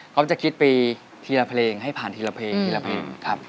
เขาจะคิดไปทีละเพลงให้ผ่านทีละเพลงทีละเพลงครับ